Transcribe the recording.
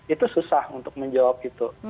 itu susah untuk menjawab gitu